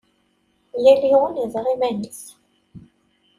Yal yiwen yeẓra iman-is!